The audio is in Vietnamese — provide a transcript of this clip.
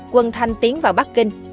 quân thanh tiến vào bắc kinh